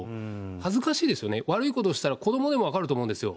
恥ずかしいですよね、悪いことをしたら、子どもでも分かると思うんですよ。